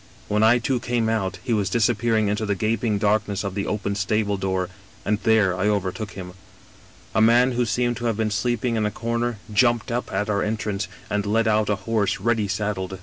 When I too came out he was disappearing into the gaping darkness of the open stable door, and there I overtook him. " A man who seemed to have been sleeping in a comer jumped up at our entrance, and led out a horse ready saddled.